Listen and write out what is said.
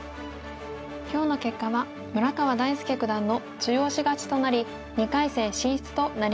今日の結果は村川大介九段の中押し勝ちとなり２回戦進出となりました。